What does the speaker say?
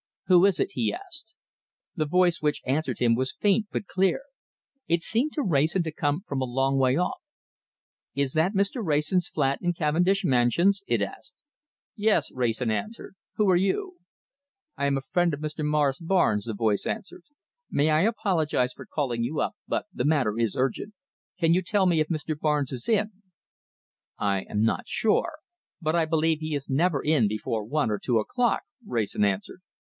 "Who is it?" he asked. The voice which answered him was faint but clear. It seemed to Wrayson to come from a long way off. "Is that Mr. Wrayson's flat in Cavendish Mansions?" it asked. "Yes!" Wrayson answered. "Who are you?" "I am a friend of Mr. Morris Barnes," the voice answered. "May I apologize for calling you up, but the matter is urgent. Can you tell me if Mr. Barnes is in?" "I am not sure, but I believe he is never in before one or two o'clock," Wrayson answered.